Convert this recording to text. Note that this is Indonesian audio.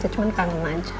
saya cuma kangen aja